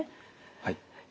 はい。